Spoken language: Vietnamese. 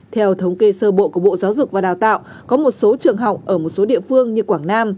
theo thống kê sơ bộ của bộ giáo dục và đào tạo có một số trường học ở một số địa phương như quảng nam